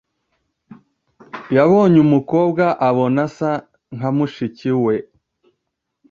yabonye umukobwa abona asa nkamushiki we